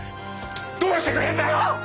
どうしてくれるんだよ！